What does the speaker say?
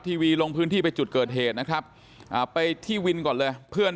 ทีวีลงพื้นที่ไปจุดเกิดเหตุนะครับอ่าไปที่วินก่อนเลยเพื่อน